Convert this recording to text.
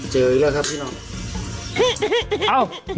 อีกแล้วครับพี่น้อง